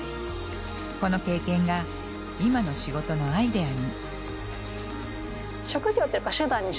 この経験が今の仕事のアイデアに。